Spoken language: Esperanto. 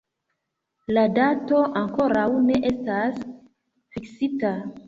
La dato ankoraŭ ne estas fiksita.